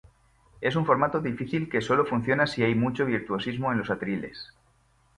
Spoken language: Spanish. Es un formato difícil que sólo funciona si hay mucho virtuosismo en los atriles.